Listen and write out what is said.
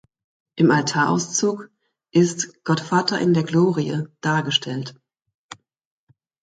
Im Altarauszug ist Gottvater in der Glorie dargestellt.